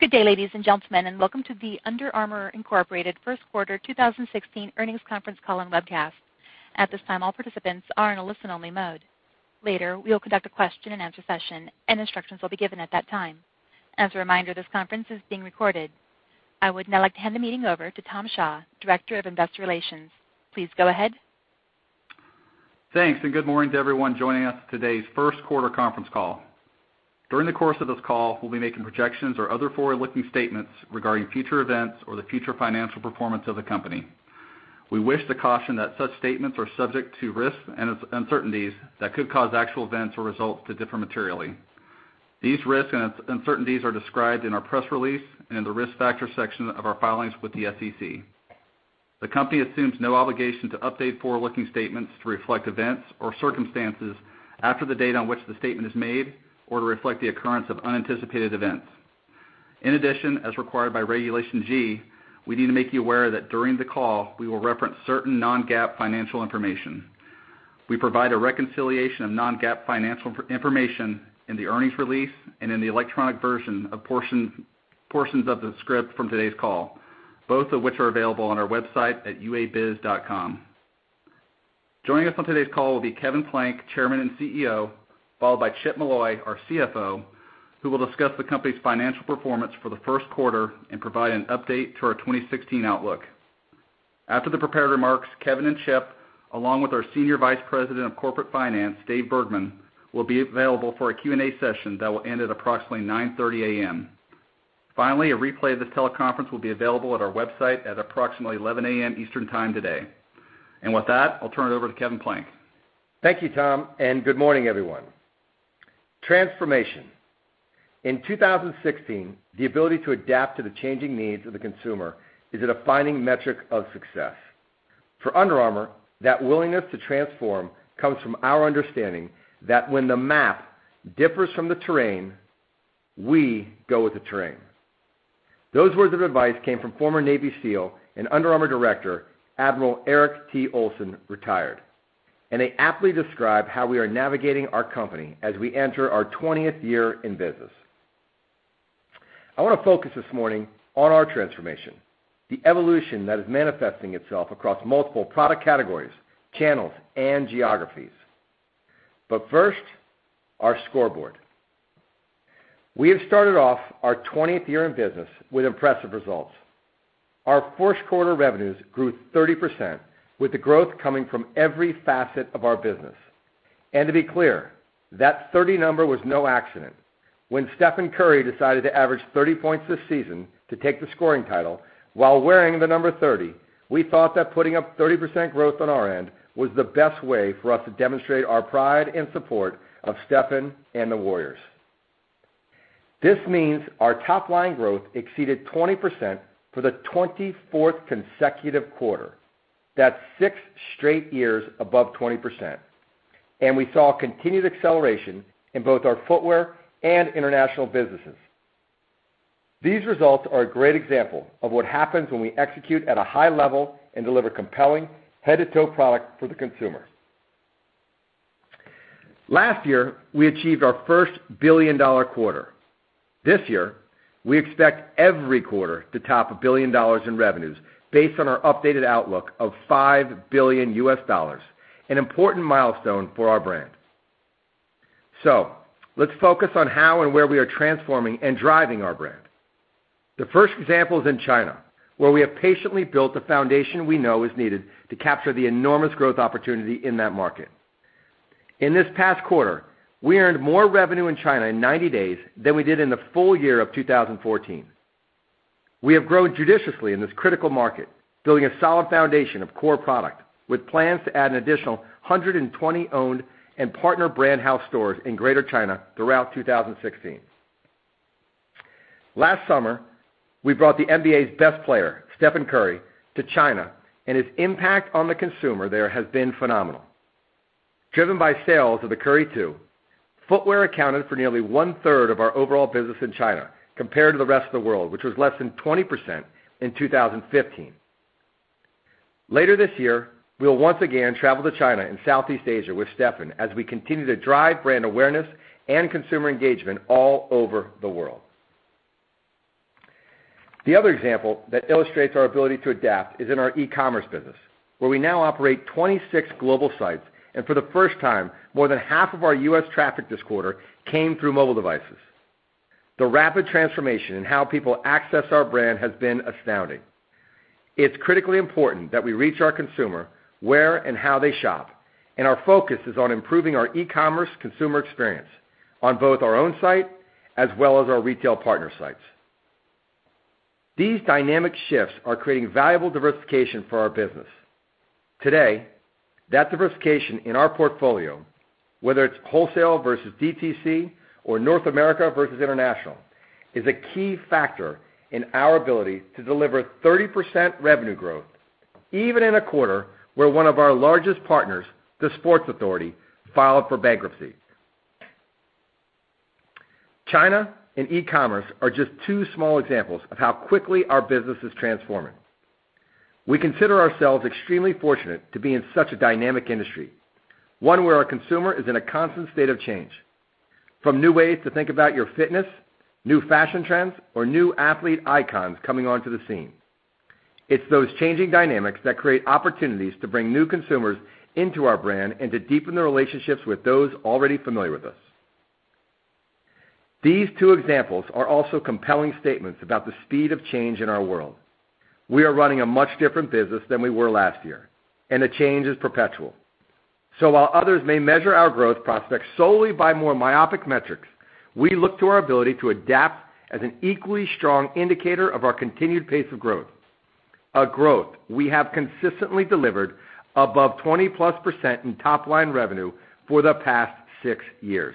Good day, ladies and gentlemen. Welcome to the Under Armour Incorporated First Quarter 2016 Earnings Conference Call and Webcast. At this time, all participants are in a listen-only mode. Later, we will conduct a question-and-answer session. Instructions will be given at that time. As a reminder, this conference is being recorded. I would now like to hand the meeting over to Tom Shaw, Director of Investor Relations. Please go ahead. Thanks. Good morning to everyone joining us for today's first quarter conference call. During the course of this call, we'll be making projections or other forward-looking statements regarding future events or the future financial performance of the company. We wish to caution that such statements are subject to risks and uncertainties that could cause actual events or results to differ materially. These risks and uncertainties are described in our press release and in the Risk Factor section of our filings with the SEC. The company assumes no obligation to update forward-looking statements to reflect events or circumstances after the date on which the statement is made or to reflect the occurrence of unanticipated events. In addition, as required by Regulation G, we need to make you aware that during the call, we will reference certain non-GAAP financial information. We provide a reconciliation of non-GAAP financial information in the earnings release and in the electronic version of portions of the script from today's call, both of which are available on our website at investor.underarmour.com. Joining us on today's call will be Kevin Plank, Chairman and CEO, followed by Chip Molloy, our CFO, who will discuss the company's financial performance for the first quarter and provide an update to our 2016 outlook. After the prepared remarks, Kevin and Chip, along with our Senior Vice President of Corporate Finance, David Bergman, will be available for a Q&A session that will end at approximately 9:30 A.M. Finally, a replay of this teleconference will be available at our website at approximately 11:00 A.M. Eastern Time today. With that, I'll turn it over to Kevin Plank. Thank you, Tom. Good morning, everyone. Transformation. In 2016, the ability to adapt to the changing needs of the consumer is a defining metric of success. For Under Armour, that willingness to transform comes from our understanding that when the map differs from the terrain, we go with the terrain. Those words of advice came from former Navy SEAL and Under Armour director, Admiral Eric T. Olson, retired. They aptly describe how we are navigating our company as we enter our 20th year in business. I want to focus this morning on our transformation, the evolution that is manifesting itself across multiple product categories, channels, and geographies. First, our scoreboard. We have started off our 20th year in business with impressive results. Our first quarter revenues grew 30%, with the growth coming from every facet of our business. To be clear, that 30 number was no accident. When Stephen Curry decided to average 30 points this season to take the scoring title while wearing the number 30, we thought that putting up 30% growth on our end was the best way for us to demonstrate our pride and support of Stephen and the Warriors. This means our top-line growth exceeded 20% for the 24th consecutive quarter. That's 6 straight years above 20%, and we saw continued acceleration in both our footwear and international businesses. These results are a great example of what happens when we execute at a high level and deliver compelling head-to-toe product for the consumer. Last year, we achieved our first billion-dollar quarter. This year, we expect every quarter to top $1 billion in revenues based on our updated outlook of $5 billion, an important milestone for our brand. Let's focus on how and where we are transforming and driving our brand. The first example is in China, where we have patiently built the foundation we know is needed to capture the enormous growth opportunity in that market. In this past quarter, we earned more revenue in China in 90 days than we did in the full year of 2014. We have grown judiciously in this critical market, building a solid foundation of core product, with plans to add an additional 120 owned and partner Brand House stores in Greater China throughout 2016. Last summer, we brought the NBA's best player, Stephen Curry, to China, and his impact on the consumer there has been phenomenal. Driven by sales of the Curry Two, footwear accounted for nearly one-third of our overall business in China compared to the rest of the world, which was less than 20% in 2015. Later this year, we'll once again travel to China and Southeast Asia with Stephen as we continue to drive brand awareness and consumer engagement all over the world. The other example that illustrates our ability to adapt is in our e-commerce business, where we now operate 26 global sites, and for the first time, more than half of our U.S. traffic this quarter came through mobile devices. The rapid transformation in how people access our brand has been astounding. It's critically important that we reach our consumer where and how they shop, and our focus is on improving our e-commerce consumer experience on both our own site as well as our retail partner sites. These dynamic shifts are creating valuable diversification for our business. Today, that diversification in our portfolio, whether it's wholesale versus DTC or North America versus international, is a key factor in our ability to deliver 30% revenue growth, even in a quarter where one of our largest partners, The Sports Authority, filed for bankruptcy. China and e-commerce are just two small examples of how quickly our business is transforming. We consider ourselves extremely fortunate to be in such a dynamic industry, one where our consumer is in a constant state of change. From new ways to think about your fitness, new fashion trends, or new athlete icons coming onto the scene. It's those changing dynamics that create opportunities to bring new consumers into our brand and to deepen the relationships with those already familiar with us. These two examples are also compelling statements about the speed of change in our world. We are running a much different business than we were last year. The change is perpetual. While others may measure our growth prospects solely by more myopic metrics, we look to our ability to adapt as an equally strong indicator of our continued pace of growth. A growth we have consistently delivered above 20%-plus in top-line revenue for the past six years.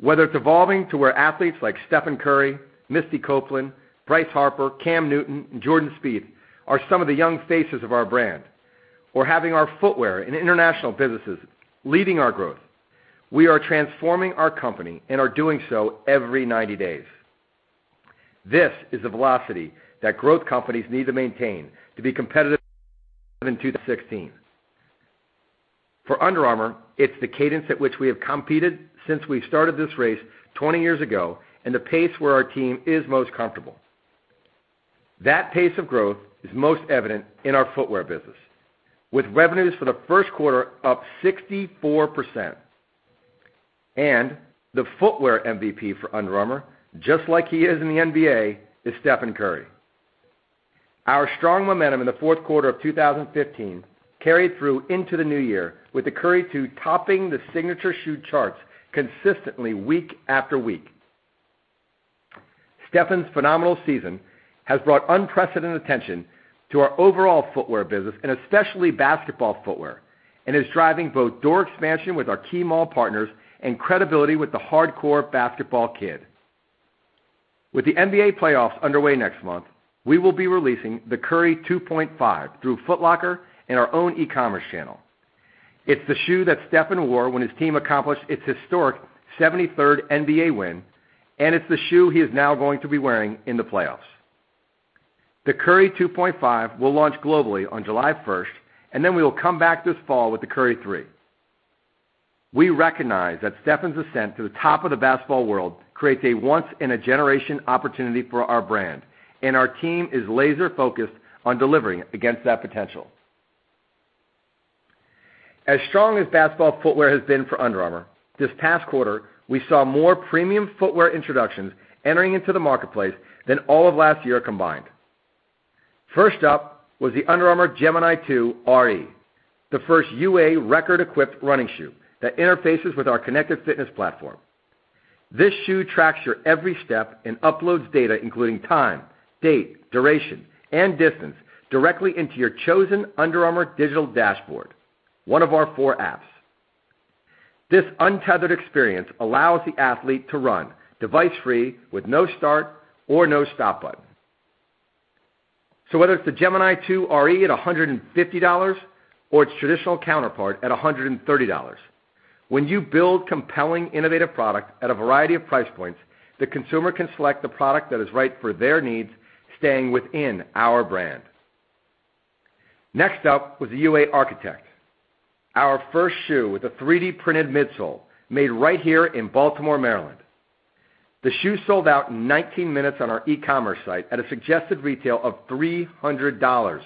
Whether it's evolving to where athletes like Stephen Curry, Misty Copeland, Bryce Harper, Cam Newton, and Jordan Spieth are some of the young faces of our brand, or having our footwear and international businesses leading our growth, we are transforming our company and are doing so every 90 days. This is the velocity that growth companies need to maintain to be competitive in 2016. For Under Armour, it's the cadence at which we have competed since we started this race 20 years ago and the pace where our team is most comfortable. That pace of growth is most evident in our footwear business, with revenues for the first quarter up 64%. The footwear MVP for Under Armour, just like he is in the NBA, is Stephen Curry. Our strong momentum in the fourth quarter of 2015 carried through into the new year with the Curry 2 topping the signature shoe charts consistently week after week. Stephen's phenomenal season has brought unprecedented attention to our overall footwear business and especially basketball footwear, and is driving both door expansion with our key mall partners and credibility with the hardcore basketball kid. With the NBA playoffs underway next month, we will be releasing the Curry 2.5 through Foot Locker and our own e-commerce channel. It's the shoe that Stephen wore when his team accomplished its historic 73rd NBA win. It's the shoe he is now going to be wearing in the playoffs. The Curry 2.5 will launch globally on July 1st. Then we will come back this fall with the Curry 3. We recognize that Stephen's ascent to the top of the basketball world creates a once-in-a-generation opportunity for our brand. Our team is laser-focused on delivering against that potential. As strong as basketball footwear has been for Under Armour, this past quarter, we saw more premium footwear introductions entering into the marketplace than all of last year combined. First up was the Under Armour Gemini 2 RE, the first UA record-equipped running shoe that interfaces with our Connected Fitness platform. This shoe tracks your every step and uploads data, including time, date, duration, and distance directly into your chosen Under Armour digital dashboard, one of our four apps. This untethered experience allows the athlete to run device-free with no start or no stop button. Whether it's the Gemini 2 RE at $150 or its traditional counterpart at $130, when you build compelling, innovative product at a variety of price points, the consumer can select the product that is right for their needs, staying within our brand. Next up was the UA Architech. Our first shoe with a 3D-printed midsole made right here in Baltimore, Maryland. The shoe sold out in 19 minutes on our e-commerce site at a suggested retail of $300.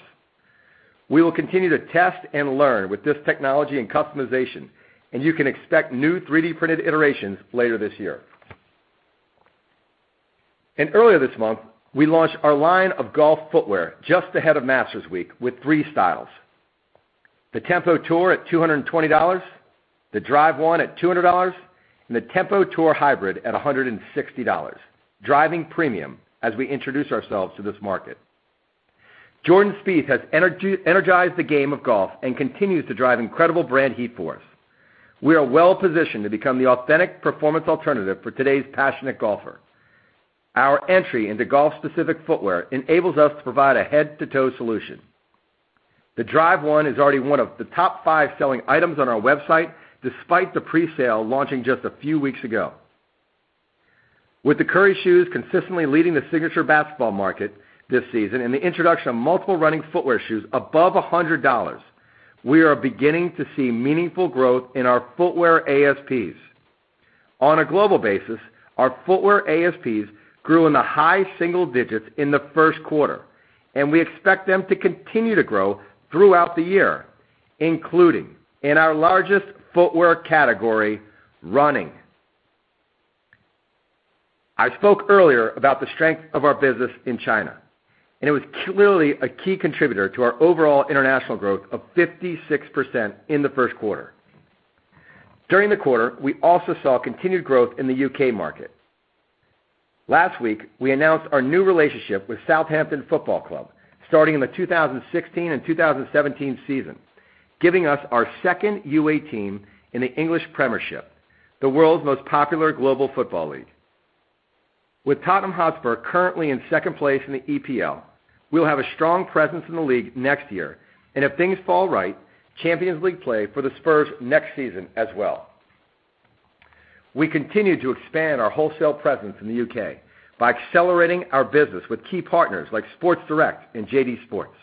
We will continue to test and learn with this technology and customization. You can expect new 3D-printed iterations later this year. Earlier this month, we launched our line of golf footwear just ahead of Masters Week with three styles. The Tempo Tour at $220, the Drive One at $200, and the Tempo Hybrid at $160, driving premium as we introduce ourselves to this market. Jordan Spieth has energized the game of golf and continues to drive incredible brand heat for us. We are well-positioned to become the authentic performance alternative for today's passionate golfer. Our entry into golf-specific footwear enables us to provide a head-to-toe solution. The Drive One is already one of the top 5 selling items on our website, despite the pre-sale launching just a few weeks ago. With the Curry shoes consistently leading the signature basketball market this season and the introduction of multiple running footwear shoes above $100, we are beginning to see meaningful growth in our footwear ASPs. On a global basis, our footwear ASPs grew in the high single digits in the first quarter. We expect them to continue to grow throughout the year, including in our largest footwear category, running. I spoke earlier about the strength of our business in China. It was clearly a key contributor to our overall international growth of 56% in the first quarter. During the quarter, we also saw continued growth in the U.K. market. Last week, we announced our new relationship with Southampton Football Club starting in the 2016 and 2017 season, giving us our second UA team in the English Premier League, the world's most popular global football league. With Tottenham Hotspur currently in second place in the EPL, we'll have a strong presence in the league next year, and if things fall right, Champions League play for the Spurs next season as well. We continue to expand our wholesale presence in the U.K. by accelerating our business with key partners like Sports Direct and JD Sports.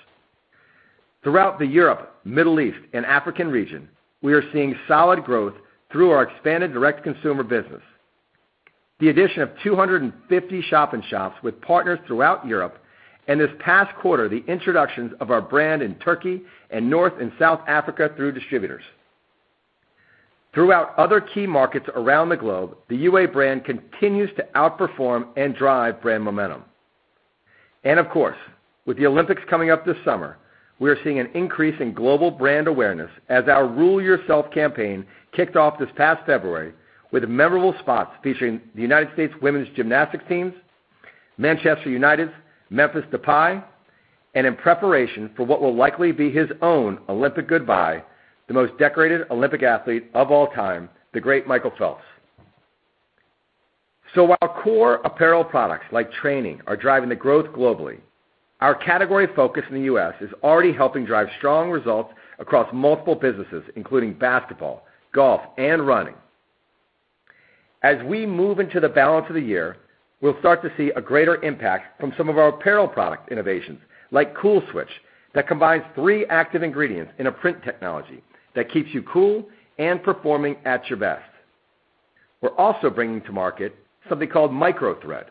Throughout the Europe, Middle East, and African region, we are seeing solid growth through our expanded direct-to-consumer business, the addition of 250 shop-in-shops with partners throughout Europe, and this past quarter, the introductions of our brand in Turkey and North and South Africa through distributors. Throughout other key markets around the globe, the UA brand continues to outperform and drive brand momentum. Of course, with the Olympics coming up this summer, we are seeing an increase in global brand awareness as our Rule Yourself campaign kicked off this past February with memorable spots featuring the U.S. women's gymnastics teams, Manchester United's Memphis Depay, and in preparation for what will likely be his own Olympic goodbye, the most decorated Olympic athlete of all time, the great Michael Phelps. While core apparel products like training are driving the growth globally, our category focus in the U.S. is already helping drive strong results across multiple businesses, including basketball, golf, and running. As we move into the balance of the year, we'll start to see a greater impact from some of our apparel product innovations, like CoolSwitch, that combines three active ingredients in a print technology that keeps you cool and performing at your best. We're also bringing to market something called MicroThread,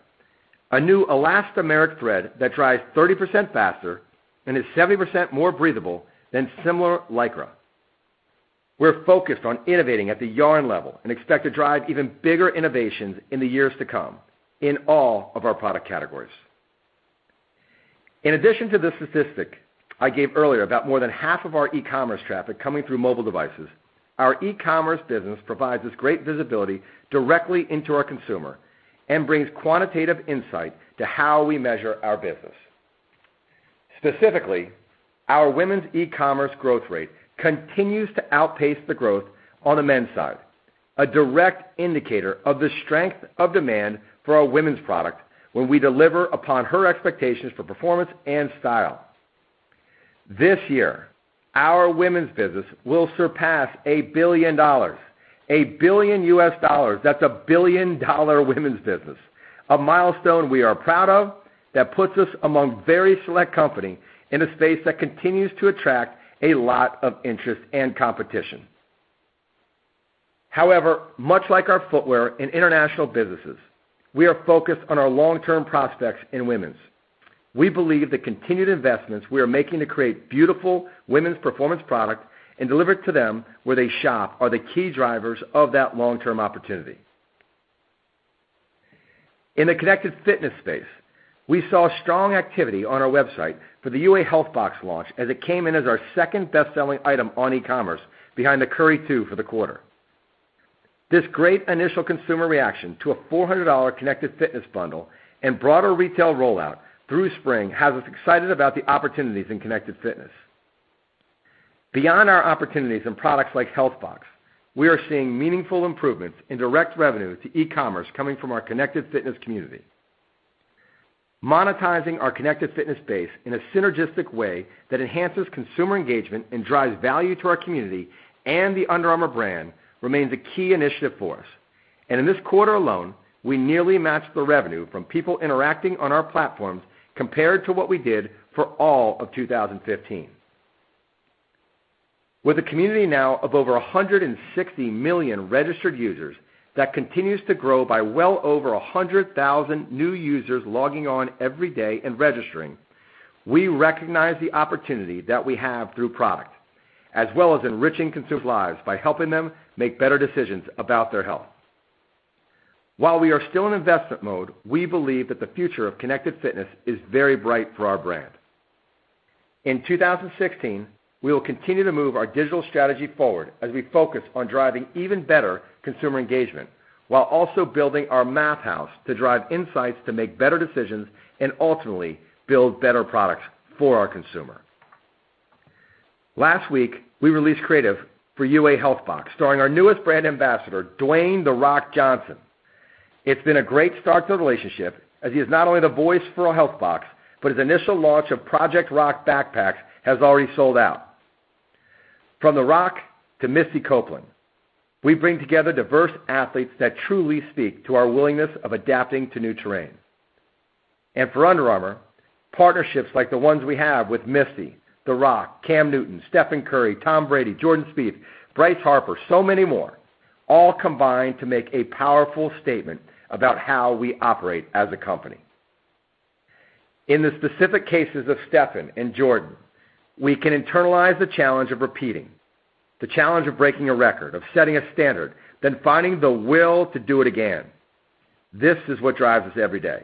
a new elastomeric thread that dries 30% faster and is 70% more breathable than similar Lycra. We're focused on innovating at the yarn level and expect to drive even bigger innovations in the years to come in all of our product categories. In addition to the statistic I gave earlier about more than half of our e-commerce traffic coming through mobile devices, our e-commerce business provides us great visibility directly into our consumer and brings quantitative insight to how we measure our business. Specifically, our women's e-commerce growth rate continues to outpace the growth on the men's side, a direct indicator of the strength of demand for our women's product when we deliver upon her expectations for performance and style. This year, our women's business will surpass $1 billion. $1 billion U.S. dollars. That's a billion-dollar women's business. A milestone we are proud of, that puts us among very select company in a space that continues to attract a lot of interest and competition. Much like our footwear and international businesses, we are focused on our long-term prospects in women's. We believe the continued investments we are making to create beautiful women's performance product and deliver it to them where they shop are the key drivers of that long-term opportunity. In the Connected Fitness space, we saw strong activity on our website for the UA HealthBox launch as it came in as our second best-selling item on e-commerce behind the Curry 2 for the quarter. This great initial consumer reaction to a $400 Connected Fitness bundle and broader retail rollout through spring has us excited about the opportunities in Connected Fitness. Beyond our opportunities in products like HealthBox, we are seeing meaningful improvements in direct revenue to e-commerce coming from our Connected Fitness community. Monetizing our Connected Fitness base in a synergistic way that enhances consumer engagement and drives value to our community and the Under Armour brand remains a key initiative for us. In this quarter alone, we nearly matched the revenue from people interacting on our platforms compared to what we did for all of 2015. With a community now of over 160 million registered users that continues to grow by well over 100,000 new users logging on every day and registering, we recognize the opportunity that we have through product, as well as enriching consumer lives by helping them make better decisions about their health. While we are still in investment mode, we believe that the future of Connected Fitness is very bright for our brand. In 2016, we will continue to move our digital strategy forward as we focus on driving even better consumer engagement while also building our Math House to drive insights to make better decisions and ultimately build better products for our consumer. Last week, we released creative for UA HealthBox starring our newest brand ambassador, Dwayne The Rock Johnson. It's been a great start to the relationship as he is not only the voice for our HealthBox, but his initial launch of Project Rock backpacks has already sold out. From The Rock to Misty Copeland, we bring together diverse athletes that truly speak to our willingness of adapting to new terrain. For Under Armour, partnerships like the ones we have with Misty, The Rock, Cam Newton, Stephen Curry, Tom Brady, Jordan Spieth, Bryce Harper, so many more, all combine to make a powerful statement about how we operate as a company. In the specific cases of Stephen and Jordan, we can internalize the challenge of repeating, the challenge of breaking a record, of setting a standard, then finding the will to do it again. This is what drives us every day.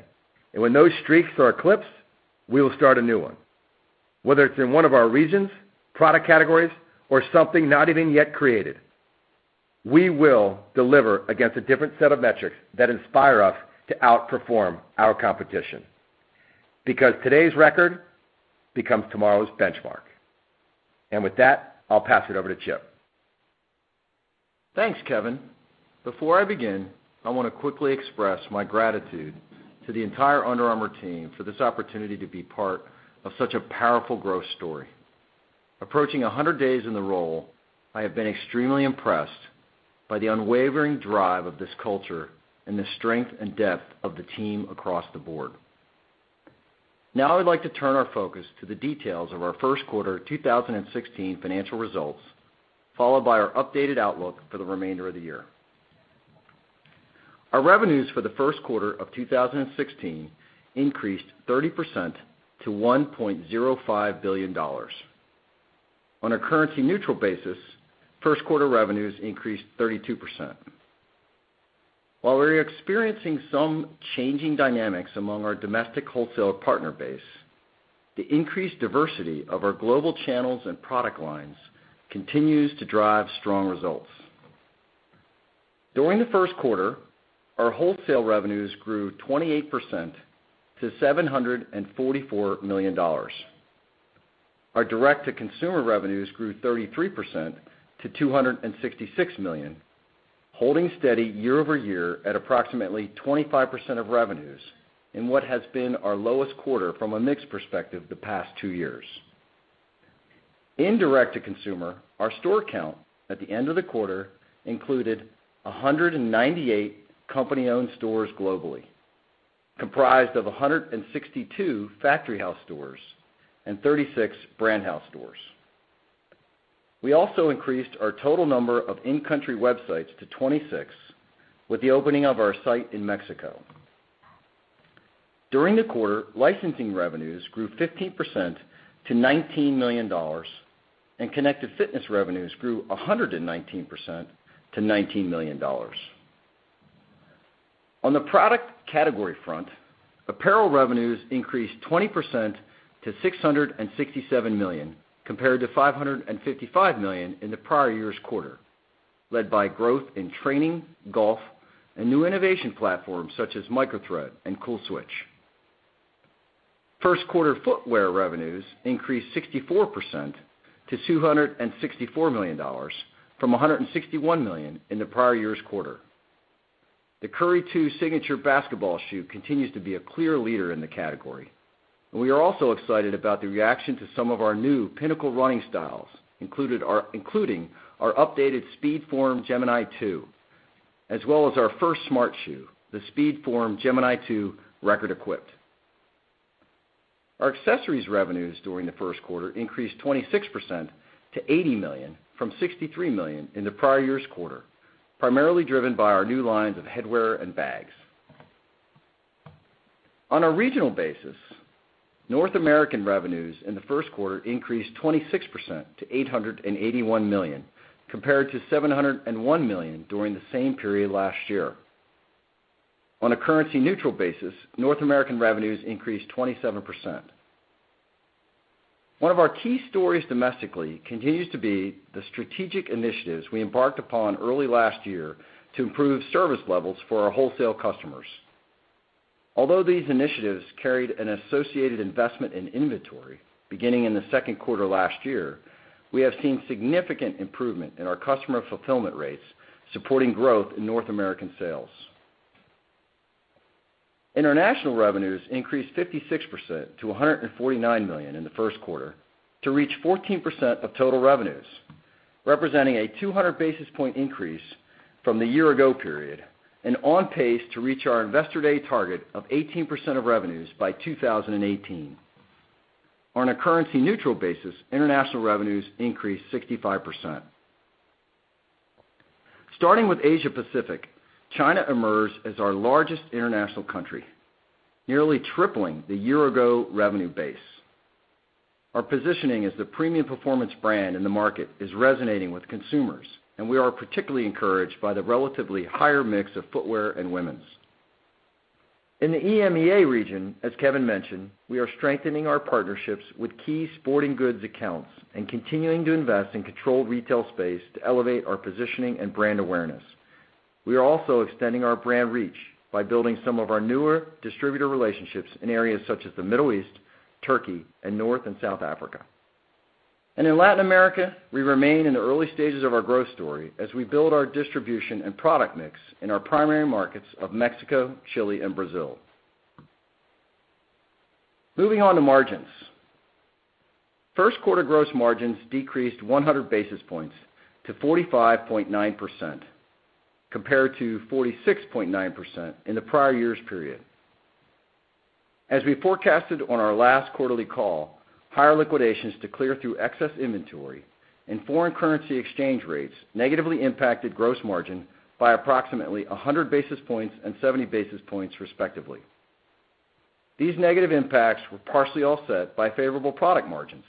When those streaks are eclipsed, we will start a new one. Whether it's in one of our regions, product categories, or something not even yet created, we will deliver against a different set of metrics that inspire us to outperform our competition. Because today's record becomes tomorrow's benchmark. With that, I'll pass it over to Chip. Thanks, Kevin. Before I begin, I want to quickly express my gratitude to the entire Under Armour team for this opportunity to be part of such a powerful growth story. Approaching 100 days in the role, I have been extremely impressed by the unwavering drive of this culture and the strength and depth of the team across the board. Now I would like to turn our focus to the details of our first quarter 2016 financial results, followed by our updated outlook for the remainder of the year. Our revenues for the first quarter of 2016 increased 30% to $1.05 billion. On a currency-neutral basis, first-quarter revenues increased 32%. While we are experiencing some changing dynamics among our domestic wholesale partner base, the increased diversity of our global channels and product lines continues to drive strong results. During the first quarter, our wholesale revenues grew 28% to $744 million. Our direct-to-consumer revenues grew 33% to $266 million, holding steady year-over-year at approximately 25% of revenues in what has been our lowest quarter from a mix perspective the past two years. In direct-to-consumer, our store count at the end of the quarter included 198 company-owned stores globally, comprised of 162 Factory House stores and 36 Brand House stores. We also increased our total number of in-country websites to 26 with the opening of our site in Mexico. During the quarter, licensing revenues grew 15% to $19 million, and Connected Fitness revenues grew 119% to $19 million. On the product category front, apparel revenues increased 20% to $667 million, compared to $555 million in the prior year's quarter, led by growth in training, golf, and new innovation platforms such as MicroThread and CoolSwitch. First quarter footwear revenues increased 64% to $264 million from $161 million in the prior year's quarter. The Curry 2 signature basketball shoe continues to be a clear leader in the category. We are also excited about the reaction to some of our new pinnacle running styles, including our updated Speedform Gemini 2, as well as our first smart shoe, the Speedform Gemini 2 Record Equipped. Our accessories revenues during the first quarter increased 26% to $80 million from $63 million in the prior year's quarter, primarily driven by our new lines of headwear and bags. On a regional basis, North American revenues in the first quarter increased 26% to $881 million, compared to $701 million during the same period last year. On a currency-neutral basis, North American revenues increased 27%. One of our key stories domestically continues to be the strategic initiatives we embarked upon early last year to improve service levels for our wholesale customers. Although these initiatives carried an associated investment in inventory beginning in the second quarter last year, we have seen significant improvement in our customer fulfillment rates, supporting growth in North American sales. International revenues increased 56% to $149 million in the first quarter to reach 14% of total revenues, representing a 200-basis-point increase from the year-ago period and on pace to reach our Investor Day target of 18% of revenues by 2018. On a currency-neutral basis, international revenues increased 65%. Starting with Asia-Pacific, China emerges as our largest international country, nearly tripling the year-ago revenue base. Our positioning as the premium performance brand in the market is resonating with consumers, and we are particularly encouraged by the relatively higher mix of footwear and women's. In the EMEA region, as Kevin mentioned, we are strengthening our partnerships with key sporting goods accounts and continuing to invest in controlled retail space to elevate our positioning and brand awareness. We are also extending our brand reach by building some of our newer distributor relationships in areas such as the Middle East, Turkey, and North and South Africa. In Latin America, we remain in the early stages of our growth story as we build our distribution and product mix in our primary markets of Mexico, Chile, and Brazil. Moving on to margins. First quarter gross margins decreased 100 basis points to 45.9%, compared to 46.9% in the prior year's period. As we forecasted on our last quarterly call, higher liquidations to clear through excess inventory and foreign currency exchange rates negatively impacted gross margin by approximately 100 basis points and 70 basis points, respectively. These negative impacts were partially offset by favorable product margins,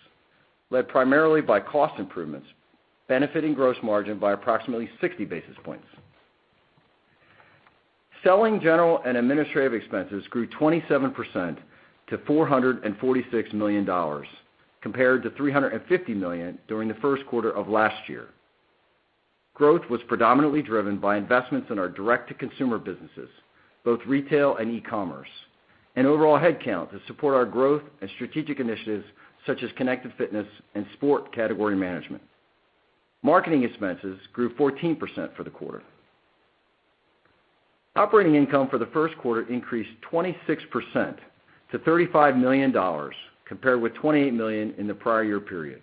led primarily by cost improvements, benefiting gross margin by approximately 60 basis points. Selling, general, and administrative expenses grew 27% to $446 million, compared to $350 million during the first quarter of last year. Growth was predominantly driven by investments in our direct-to-consumer businesses, both retail and e-commerce, and overall headcount to support our growth and strategic initiatives such as Connected Fitness and sport category management. Marketing expenses grew 14% for the quarter. Operating income for the first quarter increased 26% to $35 million, compared with $28 million in the prior year period.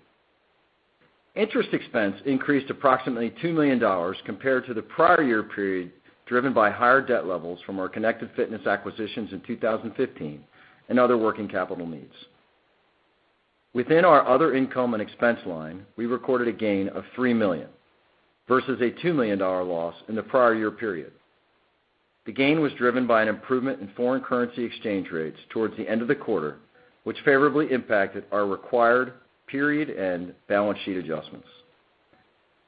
Interest expense increased approximately $2 million compared to the prior year period, driven by higher debt levels from our Connected Fitness acquisitions in 2015 and other working capital needs. Within our other income and expense line, we recorded a gain of $3 million versus a $2 million loss in the prior year period. The gain was driven by an improvement in foreign currency exchange rates towards the end of the quarter, which favorably impacted our required period and balance sheet adjustments.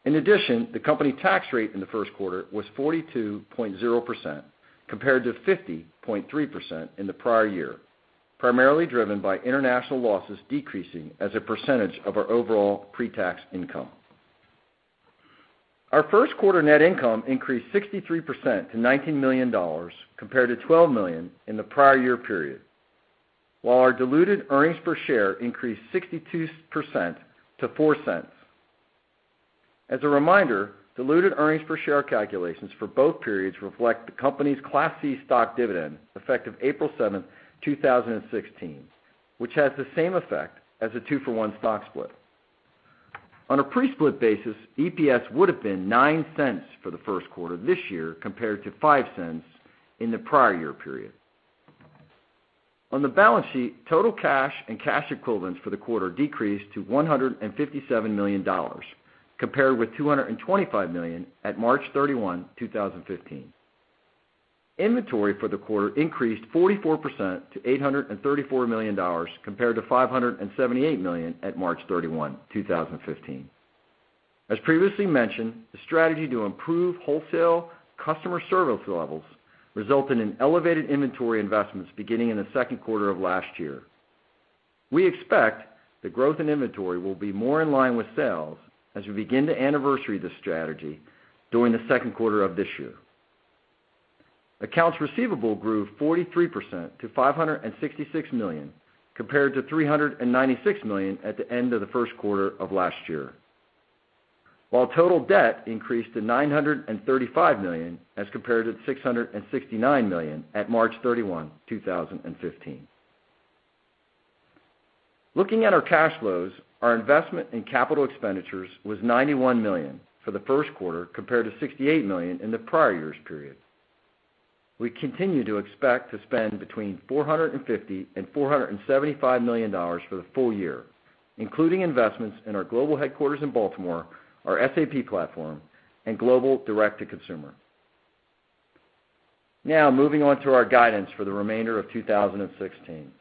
In addition, the company tax rate in the first quarter was 42.0%, compared to 50.3% in the prior year, primarily driven by international losses decreasing as a percentage of our overall pre-tax income. Our first quarter net income increased 63% to $19 million, compared to $12 million in the prior year period, while our diluted earnings per share increased 62% to $0.04. As a reminder, diluted earnings per share calculations for both periods reflect the company's Class C stock dividend effective April 7th, 2016, which has the same effect as a two-for-one stock split. On a pre-split basis, EPS would have been $0.09 for the first quarter this year, compared to $0.05 in the prior year period. On the balance sheet, total cash and cash equivalents for the quarter decreased to $157 million, compared with $225 million at March 31, 2015. Inventory for the quarter increased 44% to $834 million, compared to $578 million at March 31, 2015. As previously mentioned, the strategy to improve wholesale customer service levels resulted in elevated inventory investments beginning in the second quarter of last year. We expect the growth in inventory will be more in line with sales as we begin to anniversary this strategy during the second quarter of this year. Accounts receivable grew 43% to $566 million, compared to $396 million at the end of the first quarter of last year, while total debt increased to $935 million as compared to $669 million at March 31, 2015. Looking at our cash flows, our investment in capital expenditures was $91 million for the first quarter, compared to $68 million in the prior year's period. We continue to expect to spend between $450 million and $475 million for the full year, including investments in our global headquarters in Baltimore, our SAP platform, and global direct-to-consumer. Moving on to our guidance for the remainder of 2016.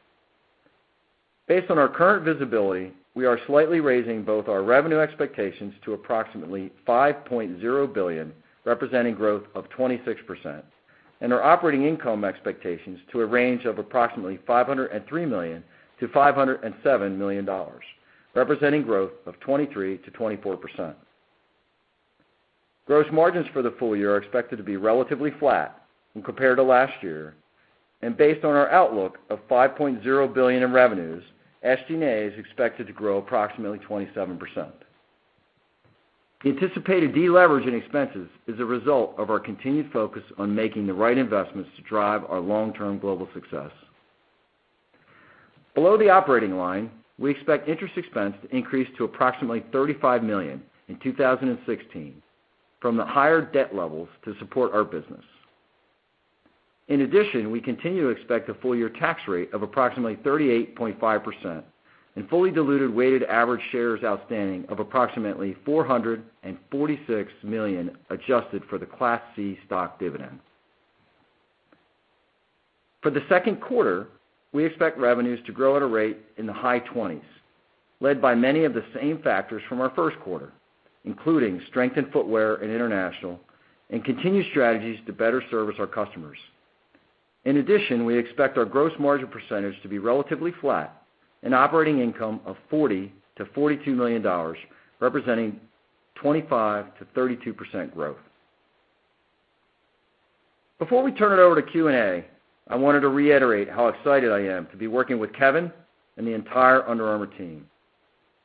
Based on our current visibility, we are slightly raising both our revenue expectations to approximately $5.0 billion, representing growth of 26%, and our operating income expectations to a range of approximately $503 million to $507 million, representing growth of 23%-24%. Gross margins for the full year are expected to be relatively flat when compared to last year. Based on our outlook of $5.2 billion in revenues, SG&A is expected to grow approximately 27%. The anticipated deleverage in expenses is a result of our continued focus on making the right investments to drive our long-term global success. Below the operating line, we expect interest expense to increase to approximately $35 million in 2016 from the higher debt levels to support our business. In addition, we continue to expect a full-year tax rate of approximately 38.5% and fully diluted weighted average shares outstanding of approximately 446 million adjusted for the Class C stock dividend. For the second quarter, we expect revenues to grow at a rate in the high 20s, led by many of the same factors from our first quarter, including strength in footwear and international, and continued strategies to better service our customers. In addition, we expect our gross margin percentage to be relatively flat and operating income of $40 million to $42 million, representing 25%-32% growth. Before we turn it over to Q&A, I wanted to reiterate how excited I am to be working with Kevin and the entire Under Armour team.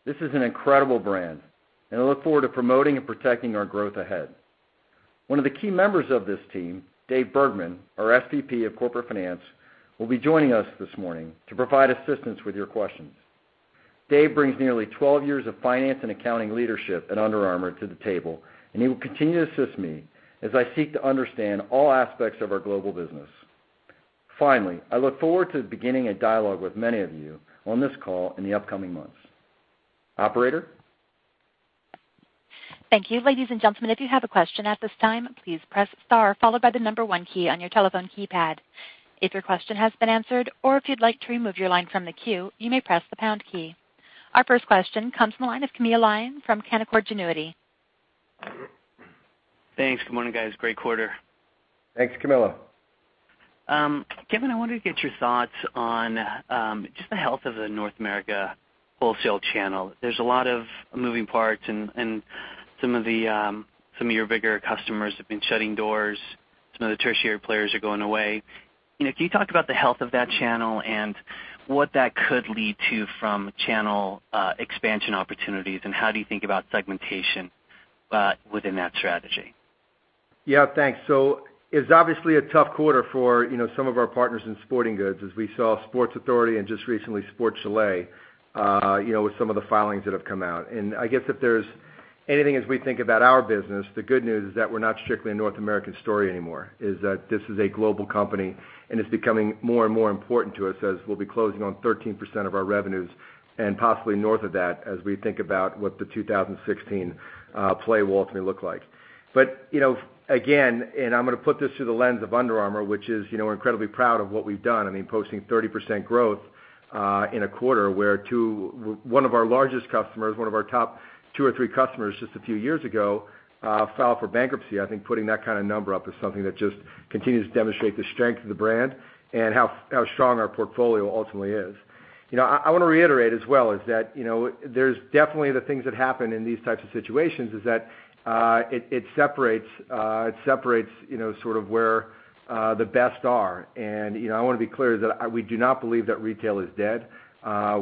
This is an incredible brand, and I look forward to promoting and protecting our growth ahead. One of the key members of this team, David Bergman, our SVP of Corporate Finance, will be joining us this morning to provide assistance with your questions. Dave brings nearly 12 years of finance and accounting leadership at Under Armour to the table. He will continue to assist me as I seek to understand all aspects of our global business. Finally, I look forward to beginning a dialogue with many of you on this call in the upcoming months. Operator? Thank you. Ladies and gentlemen, if you have a question at this time, please press star followed by the number one key on your telephone keypad. If your question has been answered or if you'd like to remove your line from the queue, you may press the pound key. Our first question comes from the line of Camilo Lyon from Canaccord Genuity. Thanks. Good morning, guys. Great quarter. Thanks, Camilo. Kevin, I wanted to get your thoughts on just the health of the North America wholesale channel. There's a lot of moving parts, some of your bigger customers have been shutting doors. Some of the tertiary players are going away. Can you talk about the health of that channel and what that could lead to from channel expansion opportunities, how do you think about segmentation within that strategy? Yeah, thanks. It's obviously a tough quarter for some of our partners in sporting goods, as we saw Sports Authority and just recently Sport Chalet, with some of the filings that have come out. I guess if there's anything as we think about our business, the good news is that we're not strictly a North American story anymore, is that this is a global company, it's becoming more and more important to us as we'll be closing on 13% of our revenues and possibly north of that as we think about what the 2016 play will ultimately look like. Again, I'm going to put this through the lens of Under Armour, which is, we're incredibly proud of what we've done. Posting 30% growth in a quarter where one of our largest customers, one of our top two or three customers just a few years ago, filed for bankruptcy. I think putting that kind of number up is something that just continues to demonstrate the strength of the brand and how strong our portfolio ultimately is. I want to reiterate as well, is that, there's definitely the things that happen in these types of situations, is that it separates sort of where the best are. I want to be clear that we do not believe that retail is dead.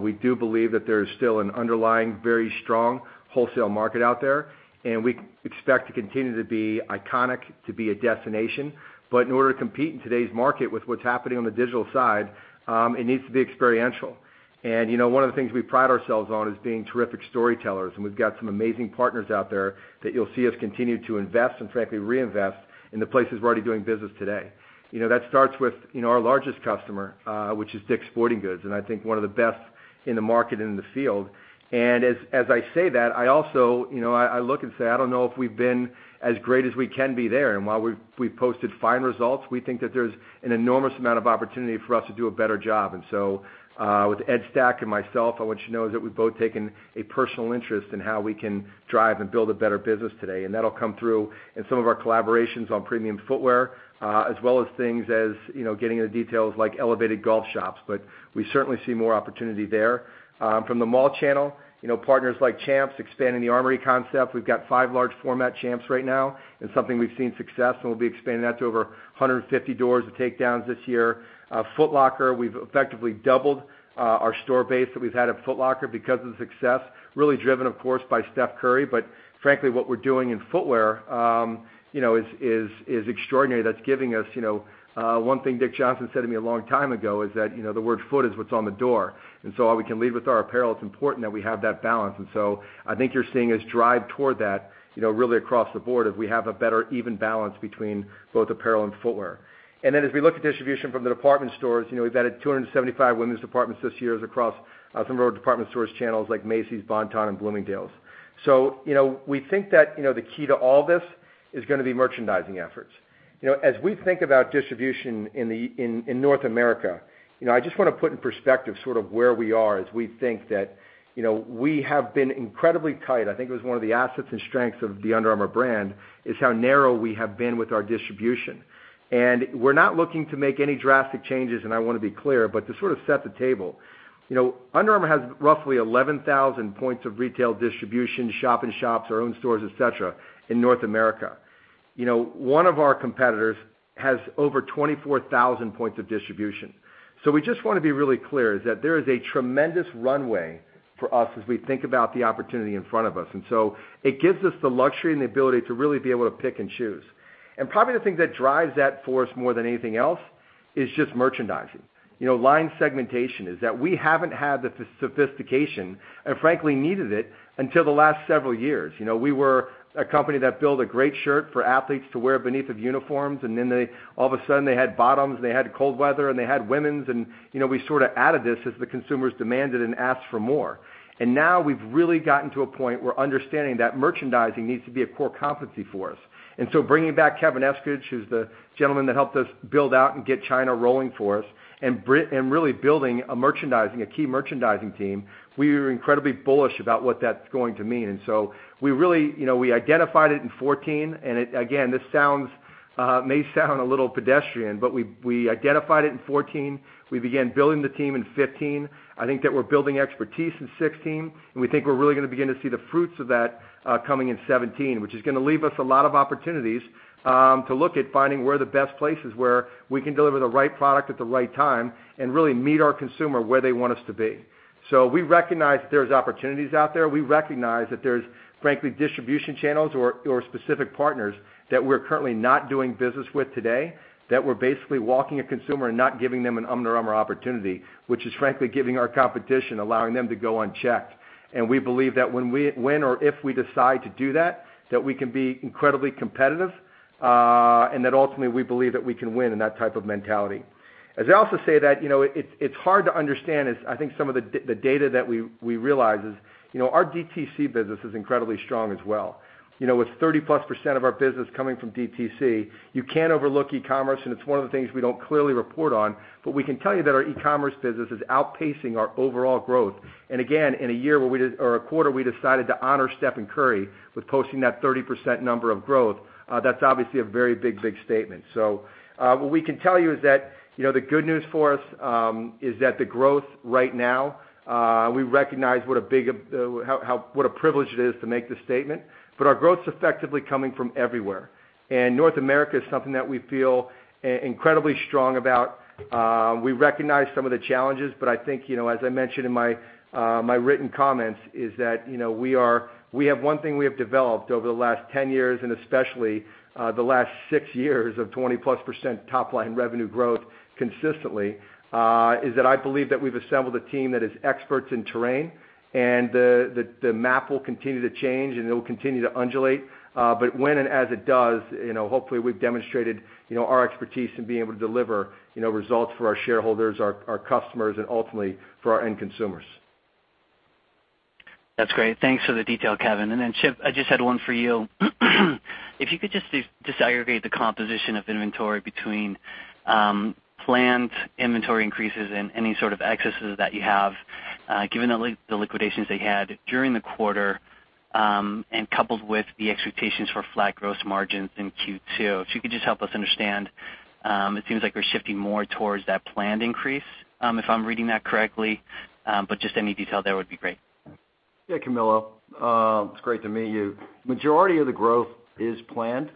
We do believe that there's still an underlying, very strong wholesale market out there, and we expect to continue to be iconic, to be a destination. In order to compete in today's market with what's happening on the digital side, it needs to be experiential. One of the things we pride ourselves on is being terrific storytellers, we've got some amazing partners out there that you'll see us continue to invest and frankly, reinvest in the places we're already doing business today. That starts with our largest customer, which is Dick's Sporting Goods, I think one of the best in the market, in the field. As I say that, I also look and say, I don't know if we've been as great as we can be there. While we've posted fine results, we think that there's an enormous amount of opportunity for us to do a better job. With Ed Stack and myself, I want you to know that we've both taken a personal interest in how we can drive and build a better business today. That'll come through in some of our collaborations on premium footwear, as well as things as getting into details like elevated golf shops. We certainly see more opportunity there. From the mall channel, partners like Champs, expanding The ARMOURY concept. We've got five large format Champs right now. It's something we've seen success, we'll be expanding that to over 150 doors of takedowns this year. Foot Locker, we've effectively doubled our store base that we've had at Foot Locker because of the success, really driven, of course, by Stephen Curry. Frankly, what we're doing in footwear is extraordinary. One thing Dick Johnson said to me a long time ago is that, the word foot is what's on the door. All we can lead with our apparel, it's important that we have that balance. I think you're seeing us drive toward that, really across the board, as we have a better even balance between both apparel and footwear. As we look at distribution from the department stores, we've added 275 women's departments this year across some of our department stores channels like Macy's, Bon-Ton, and Bloomingdale's. We think that the key to all this is going to be merchandising efforts. As we think about distribution in North America, I just want to put in perspective sort of where we are as we think that we have been incredibly tight. I think it was one of the assets and strengths of the Under Armour brand is how narrow we have been with our distribution. We're not looking to make any drastic changes, I want to be clear, but to sort of set the table. Under Armour has roughly 11,000 points of retail distribution, shop in shops, our own stores, et cetera, in North America. One of our competitors has over 24,000 points of distribution. We just want to be really clear is that there is a tremendous runway for us as we think about the opportunity in front of us. It gives us the luxury and the ability to really be able to pick and choose. Probably the thing that drives that for us more than anything else is just merchandising. Line segmentation is that we haven't had the sophistication and frankly needed it until the last several years. We were a company that built a great shirt for athletes to wear beneath of uniforms. Then all of a sudden they had bottoms, they had cold weather, and they had women's, and we sort of added this as the consumers demanded and asked for more. Now we've really gotten to a point where understanding that merchandising needs to be a core competency for us. So bringing back Kevin Eskridge, who's the gentleman that helped us build out and get China rolling for us, and really building a key merchandising team, we are incredibly bullish about what that's going to mean. So we identified it in 2014, and again, this may sound a little pedestrian, but we identified it in 2014. We began building the team in 2015. I think that we're building expertise in 2016, and we think we're really going to begin to see the fruits of that coming in 2017, which is going to leave us a lot of opportunities to look at finding where the best places where we can deliver the right product at the right time and really meet our consumer where they want us to be. We recognize that there's opportunities out there. We recognize that there's, frankly, distribution channels or specific partners that we're currently not doing business with today, that we're basically walking a consumer and not giving them an Under Armour opportunity, which is frankly giving our competition, allowing them to go unchecked. We believe that when or if we decide to do that we can be incredibly competitive, and that ultimately we believe that we can win in that type of mentality. As I also say that, it's hard to understand is I think some of the data that we realize is, our DTC business is incredibly strong as well. With 30-plus% of our business coming from DTC, you can't overlook e-commerce, and it's one of the things we don't clearly report on, but we can tell you that our e-commerce business is outpacing our overall growth. Again, in a quarter we decided to honor Stephen Curry with posting that 30% number of growth, that's obviously a very big, big statement. What we can tell you is that, the good news for us is that the growth right now, we recognize what a privilege it is to make this statement, but our growth's effectively coming from everywhere. North America is something that we feel incredibly strong about. We recognize some of the challenges, but I think, as I mentioned in my written comments, is that, we have one thing we have developed over the last 10 years, and especially the last six years of 20-plus% top-line revenue growth consistently, is that I believe that we've assembled a team that is experts in terrain, and the map will continue to change and it will continue to undulate. When and as it does, hopefully we've demonstrated our expertise in being able to deliver results for our shareholders, our customers, and ultimately for our end consumers. That's great. Thanks for the detail, Kevin Plank. Chip Molloy, I just had one for you. If you could just disaggregate the composition of inventory between planned inventory increases and any sort of excesses that you have, given the liquidations that you had during the quarter, coupled with the expectations for flat gross margins in Q2. If you could just help us understand, it seems like we're shifting more towards that planned increase, if I'm reading that correctly. Just any detail there would be great. Yeah, Camilo Lyon, it's great to meet you. Majority of the growth is planned,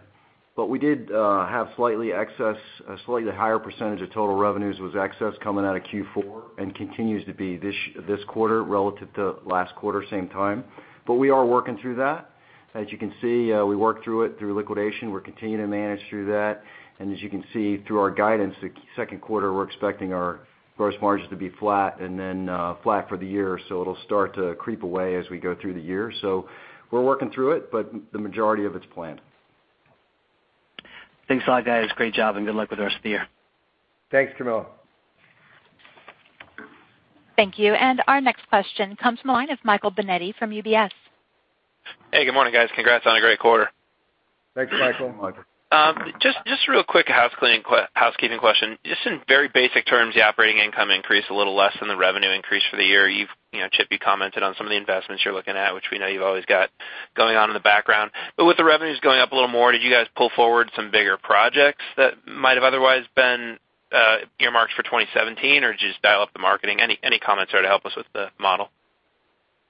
we did have slightly higher percentage of total revenues was excess coming out of Q4, continues to be this quarter relative to last quarter same time. We are working through that. As you can see, we worked through it through liquidation. We're continuing to manage through that. As you can see through our guidance, the second quarter, we're expecting our gross margins to be flat then flat for the year. It'll start to creep away as we go through the year. We're working through it, but the majority of it's planned. Thanks a lot, guys. Great job, good luck with the rest of the year. Thanks, Camilo Lyon. Thank you. Our next question comes from the line of Michael Binetti from UBS. Hey, good morning, guys. Congrats on a great quarter. Thanks, Michael. Thanks, Michael. Just real quick, a housekeeping question. Just in very basic terms, the operating income increased a little less than the revenue increase for the year. Chip Molloy, you commented on some of the investments you're looking at, which we know you've always got going on in the background. With the revenues going up a little more, did you guys pull forward some bigger projects that might have otherwise been earmarked for 2017? Did you just dial up the marketing? Any comments there to help us with the model?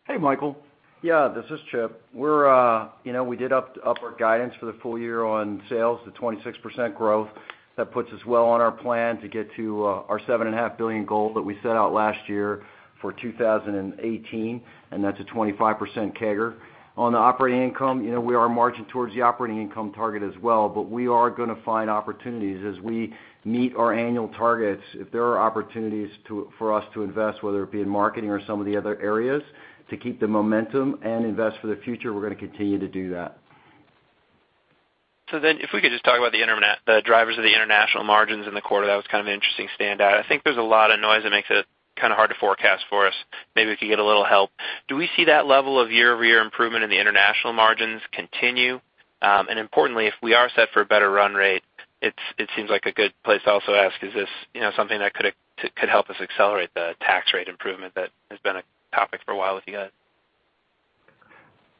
Hey, Michael. Yeah, this is Chip Molloy. We did up our guidance for the full year on sales to 26% growth. That puts us well on our plan to get to our $7.5 billion goal that we set out last year for 2018, and that's a 25% CAGR. On the operating income, we are marching towards the operating income target as well, but we are gonna find opportunities as we meet our annual targets. If there are opportunities for us to invest, whether it be in marketing or some of the other areas to keep the momentum and invest for the future, we're gonna continue to do that. If we could just talk about the drivers of the international margins in the quarter, that was kind of an interesting standout. I think there's a lot of noise that makes it kind of hard to forecast for us. Maybe we could get a little help. Do we see that level of year-over-year improvement in the international margins continue? Importantly, if we are set for a better run rate, it seems like a good place to also ask, is this something that could help us accelerate the tax rate improvement that has been a topic for a while with you guys?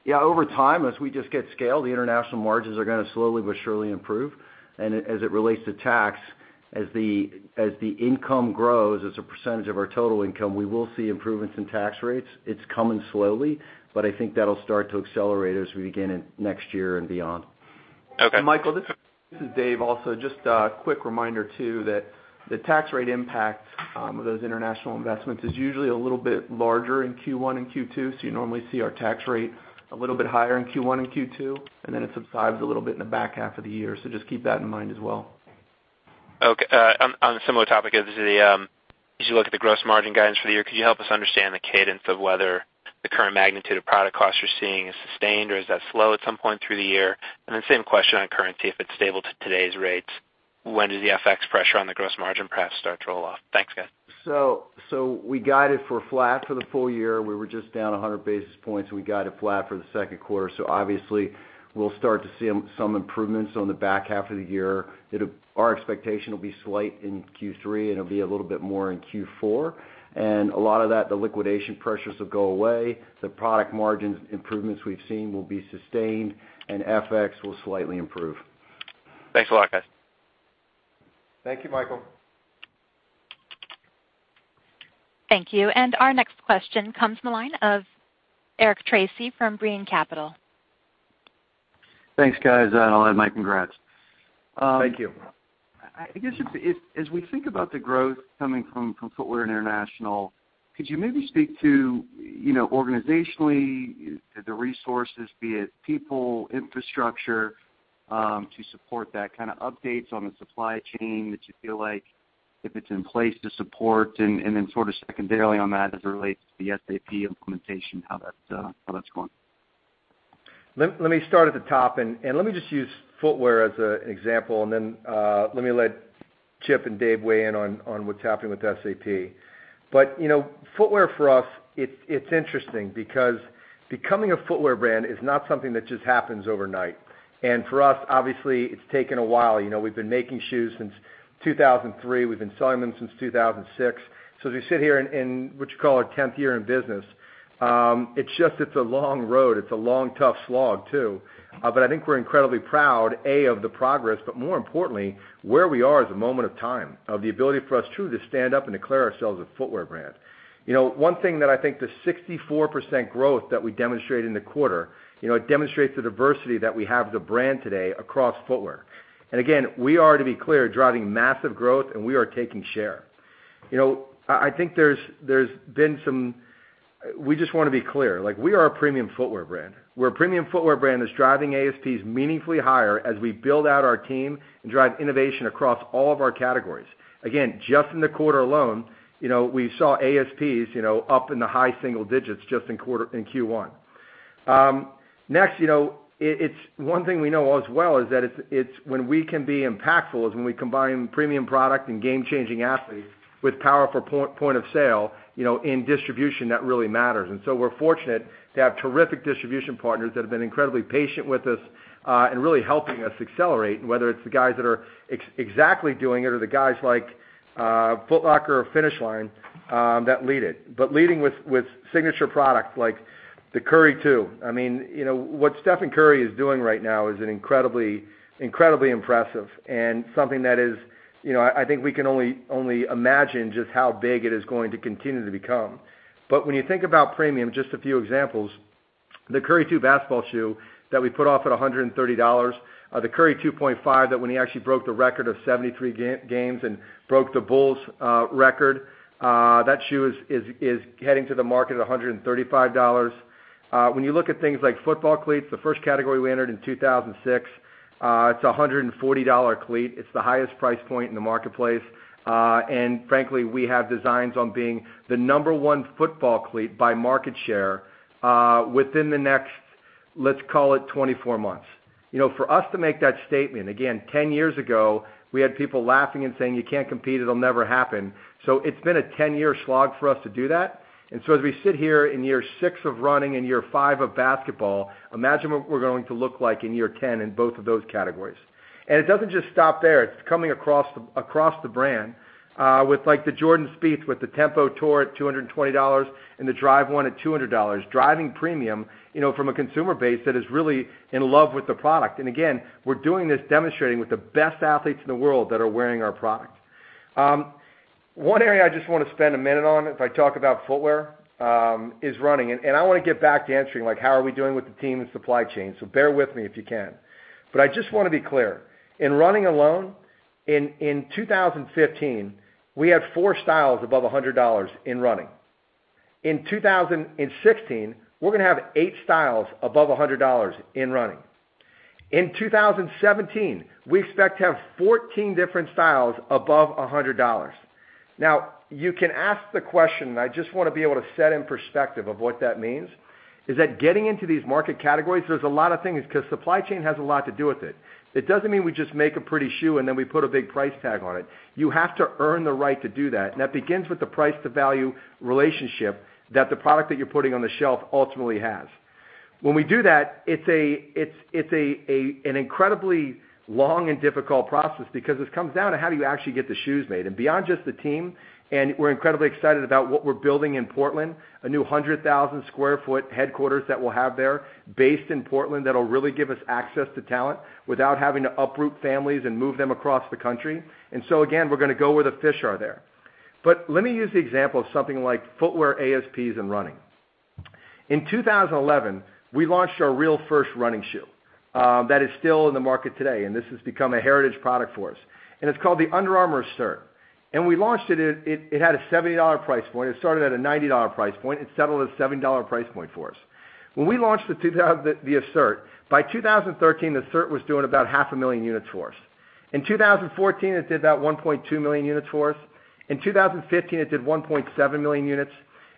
Yeah. Over time, as we just get scale, the international margins are gonna slowly but surely improve. As it relates to tax, as the income grows as a percentage of our total income, we will see improvements in tax rates. It's coming slowly, but I think that'll start to accelerate as we begin in next year and beyond. Okay. Michael, this is Dave also. Just a quick reminder too that the tax rate impact of those international investments is usually a little bit larger in Q1 and Q2. You normally see our tax rate a little bit higher in Q1 and Q2, then it subsides a little bit in the back half of the year. Just keep that in mind as well. Okay. On a similar topic, as you look at the gross margin guidance for the year, could you help us understand the cadence of whether the current magnitude of product costs you're seeing is sustained, or does that slow at some point through the year? Then same question on currency, if it's stable to today's rates, when does the FX pressure on the gross margin perhaps start to roll off? Thanks, guys. We guided for flat for the full year. We were just down 100 basis points, and we guided flat for the second quarter. Obviously, we'll start to see some improvements on the back half of the year. Our expectation will be slight in Q3, and it'll be a little bit more in Q4. A lot of that, the liquidation pressures will go away. The product margins improvements we've seen will be sustained, FX will slightly improve. Thanks a lot, guys. Thank you, Michael. Thank you. Our next question comes from the line of Eric Tracy from Brean Capital. Thanks, guys, I'll add my congrats. Thank you. I guess as we think about the growth coming from footwear and international, could you maybe speak to, organizationally, the resources, be it people, infrastructure, to support that? Kind of updates on the supply chain that you feel like if it's in place to support, then sort of secondarily on that as it relates to the SAP implementation, how that's going. Let me start at the top, let me just use footwear as an example, then let me let Chip and Dave weigh in on what's happening with SAP. Footwear for us, it's interesting because becoming a footwear brand is not something that just happens overnight. For us, obviously, it's taken a while. We've been making shoes since 2003. We've been selling them since 2006. As we sit here in what you call our tenth year in business, it's just a long road. It's a long, tough slog too. I think we're incredibly proud, A, of the progress, but more importantly, where we are as a moment of time, of the ability for us too, to stand up and declare ourselves a footwear brand. One thing that I think the 64% growth that we demonstrated in the quarter, it demonstrates the diversity that we have as a brand today across footwear. Again, we are, to be clear, driving massive growth, and we are taking share. We just want to be clear, like we are a premium footwear brand. We're a premium footwear brand that's driving ASPs meaningfully higher as we build out our team and drive innovation across all of our categories. Again, just in the quarter alone, we saw ASPs up in the high single digits just in Q1. One thing we know as well is that when we can be impactful is when we combine premium product and game-changing athletes with powerful point of sale in distribution, that really matters. We're fortunate to have terrific distribution partners that have been incredibly patient with us and really helping us accelerate, whether it's the guys that are exactly doing it or the guys like Foot Locker or Finish Line that lead it. Leading with signature products like the Curry 2. What Stephen Curry is doing right now is incredibly impressive and something that I think we can only imagine just how big it is going to continue to become. When you think about premium, just a few examples, the Curry 2 basketball shoe that we put off at $130, the Curry 2.5, that when he actually broke the record of 73 games and broke the Bulls record, that shoe is heading to the market at $135. When you look at things like football cleats, the first category we entered in 2006, it's a $140 cleat. It's the highest price point in the marketplace. Frankly, we have designs on being the number one football cleat by market share within the next, let's call it 24 months. For us to make that statement, again, 10 years ago, we had people laughing and saying, "You can't compete. It'll never happen." It's been a 10-year slog for us to do that. As we sit here in year six of running and year five of basketball, imagine what we're going to look like in year 10 in both of those categories. It doesn't just stop there. It's coming across the brand with like the Jordan Spieth with the Tempo Tour at $220 and the Drive One at $200. Driving premium from a consumer base that is really in love with the product. Again, we're doing this demonstrating with the best athletes in the world that are wearing our product. One area I just want to spend a minute on, if I talk about footwear, is running. I want to get back to answering, like, how are we doing with the team and supply chain. Bear with me if you can. I just want to be clear. In running alone, in 2015, we had four styles above $100 in running. In 2016, we're going to have eight styles above $100 in running. In 2017, we expect to have 14 different styles above $100. You can ask the question, and I just want to be able to set in perspective of what that means, is that getting into these market categories, there's a lot of things because supply chain has a lot to do with it. It doesn't mean we just make a pretty shoe and then we put a big price tag on it. You have to earn the right to do that. That begins with the price to value relationship that the product that you're putting on the shelf ultimately has. When we do that, it's an incredibly long and difficult process because this comes down to how do you actually get the shoes made? Beyond just the team, and we're incredibly excited about what we're building in Portland, a new 100,000 square foot headquarters that we'll have there based in Portland that'll really give us access to talent without having to uproot families and move them across the country. Again, we're going to go where the fish are there. Let me use the example of something like footwear ASPs and running. In 2011, we launched our real first running shoe that is still in the market today, and this has become a heritage product for us. It's called the Under Armour Assert. We launched it had a $70 price point. It started at a $90 price point. It settled at a $70 price point for us. When we launched the Assert, by 2013, Assert was doing about half a million units for us. In 2014, it did about 1.2 million units for us. In 2015, it did 1.7 million units.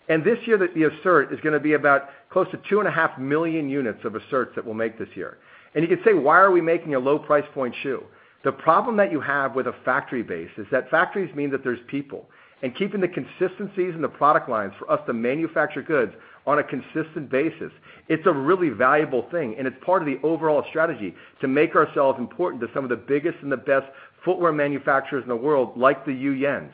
This year, the Assert is going to be about close to two and a half million units of Assert that we'll make this year. You could say, "Why are we making a low price point shoe?" The problem that you have with a factory base is that factories mean that there's people. Keeping the consistencies in the product lines for us to manufacture goods on a consistent basis, it's a really valuable thing, and it's part of the overall strategy to make ourselves important to some of the biggest and the best footwear manufacturers in the world, like the Yue Yuen.